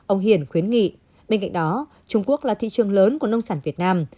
ông hiển khuyến nghị bên cạnh đó trung quốc là thị trường lớn của nông sản việt nam